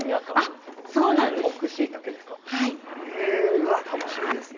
うわっ楽しみですね。